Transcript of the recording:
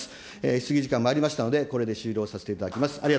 質疑時間まいりましたので、これで終了させていただきます。